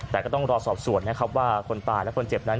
แต่ก็ต้องรอสอบส่วนนะครับว่าคนตายและคนเจ็บนั้น